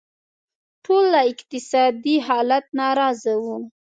ټول له اقتصادي حالت ناراضه وو.